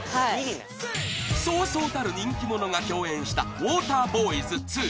［そうそうたる人気者が共演した『ウォーターボーイズ２』］